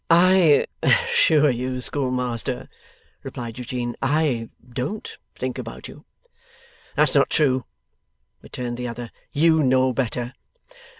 'I assure you, Schoolmaster,' replied Eugene, 'I don't think about you.' 'That's not true,' returned the other; 'you know better.